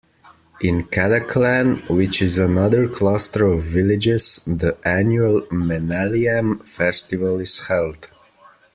In Kadaclan, which is another cluster of villages, the annual "Menaliyam" festival is held.